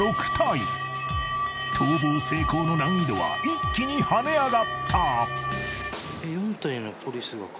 ［逃亡成功の難易度は一気にはね上がった］